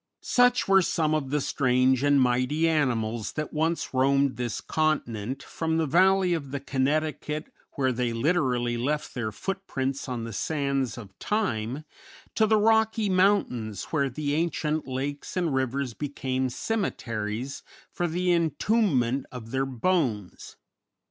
Such were some of the strange and mighty animals that once roamed this continent from the valley of the Connecticut, where they literally left their footprints on the sands of time, to the Rocky Mountains, where the ancient lakes and rivers became cemeteries for the entombment of their bones.